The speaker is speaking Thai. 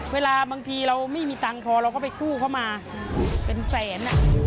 เวลาบางทีเราไม่มีตังค์พอเราก็ไปกู้เข้ามาเป็นแสน